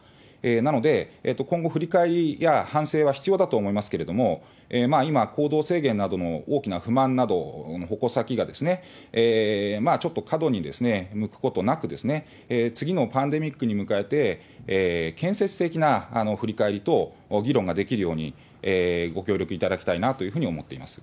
なので、今後、振り返りや反省は必要だと思いますけれども、今、行動制限などの大きな不満などの矛先が、ちょっと過度に向くことなく、次のパンデミックに向けて、建設的な振り返りと議論ができるように、ご協力いただきたいなというふうに思っています。